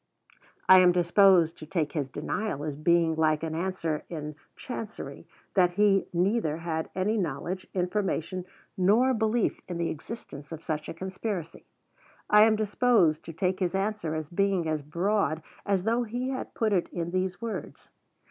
I am disposed to take his denial as being like an answer in chancery, that he neither had any knowledge, information, nor belief in the existence of such a conspiracy. I am disposed to take his answer as being as broad as though he had put it in these words.